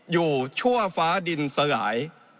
อยู่ชั่วฟ้าดินสลาย